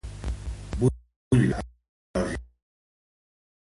Vull veure Els germans kratt.